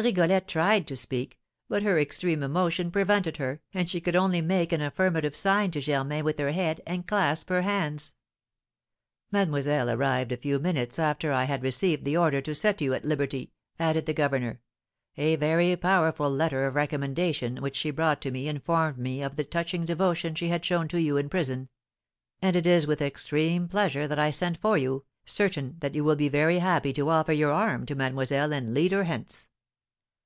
Rigolette tried to speak, but her extreme emotion prevented her, and she could only make an affirmative sign to Germain with her head, and clasp her hands. "Mademoiselle arrived a few minutes after I had received the order to set you at liberty," added the governor. "A very powerful letter of recommendation which she brought to me informed me of the touching devotion she had shown to you in prison; and it is with extreme pleasure that I sent for you, certain that you will be very happy to offer your arm to mademoiselle, and lead her hence."